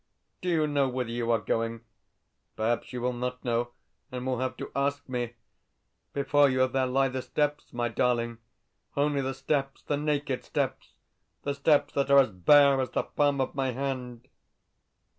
Do you know whither you are going? Perhaps you will not know, and will have to ask me? Before you there lie the Steppes, my darling only the Steppes, the naked Steppes, the Steppes that are as bare as the palm of my hand.